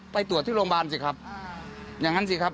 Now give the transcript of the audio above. ไปตรวจที่โรงพยาบาลสิครับอย่างนั้นสิครับ